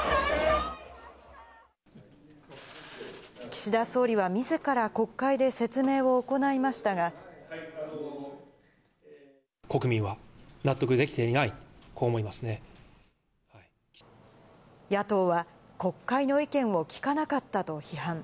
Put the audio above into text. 岸田総理はみずから国会で説国民は納得できていない、野党は、国会の意見を聞かなかったと批判。